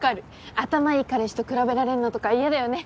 頭いい彼氏と比べられんのとか嫌だよね。